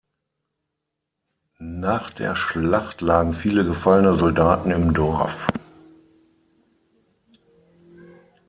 Nach der Schlacht lagen viele gefallene Soldaten im Dorf.